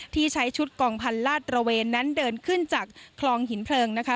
ที่ใช้ชุดกองพันธลาดตระเวนนั้นเดินขึ้นจากคลองหินเพลิงนะคะ